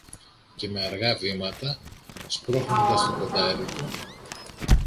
Και με αργά βήματα, σπρώχνοντας το κοντάρι του